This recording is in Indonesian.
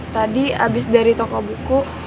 tadi abis dari toko buku